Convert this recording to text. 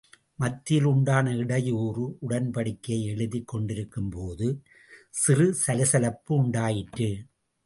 மத்தியில் உண்டான இடையூறு உடன்படிக்கையை எழுதிக் கொண்டிருக்கும் போது, சிறு சலசலப்பு உண்டாயிற்று.